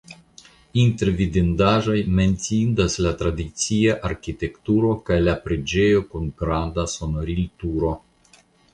Inter vidindaĵoj menciindas la tradicia arkitekturo kaj la preĝejo kun granda sonorilturo.